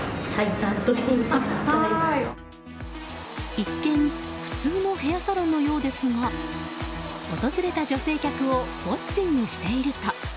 一見普通のヘアサロンのようですが訪れた女性客をウォッチングしていると。